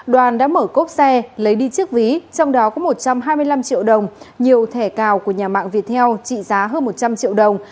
đoàn đã mở cốp xe lấy đi chiếc ví trong đó có một trăm hai mươi năm triệu đồng nhiều thẻ cào của nhà mạng viettel trị giá hơn một trăm linh triệu đồng